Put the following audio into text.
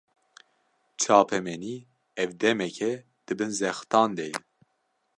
Çapemenî, ev demeke di bin zextan de ye